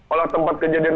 olah tempat kepolisian